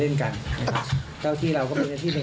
ทำไมคนที่ปรากฏปอนด์ไม่ใหญ่แจ้ง